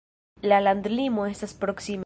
La landlimo estas proksime.